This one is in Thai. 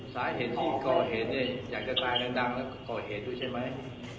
สาเหตุที่ก่อเหตุเนี่ยอยากจะตายดังแล้วก็ก่อเหตุด้วยใช่ไหม